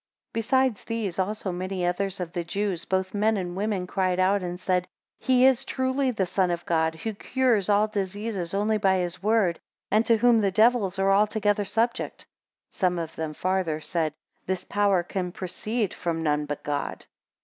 41 Besides these, also many others of the Jews, both men and Women, cried out and said, He is truly the Son of God, who cures all diseases only by his word, and to whom the devils are altogether subject. 42 Some of them farther said, This power can proceed from none but God.